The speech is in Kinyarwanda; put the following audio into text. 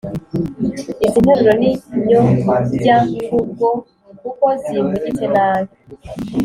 Izi nteruro ni nyobyamvugo kuko zivugitse nabi